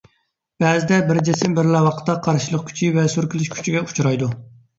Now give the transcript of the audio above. بەزىدە بىر جىسىم بىرلا ۋاقىتتا قارشىلىق كۈچى ۋە سۈركىلىش كۈچىگە ئۇچرايدۇ.